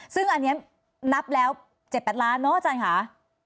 ซึ่งอันนี้นับแล้ว๗๘ล้านเนอะอาจารย์ค่ะ